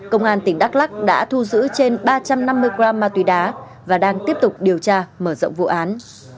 công an tỉnh đắk lắc đã thu giữ trên ba trăm năm mươi gram ma túy đá và đang tiếp tục điều tra mở rộng vụ án